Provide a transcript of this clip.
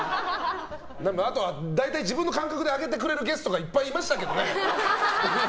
あとは大体自分の感覚で上げてくれるゲストがいっぱいいましたけどね！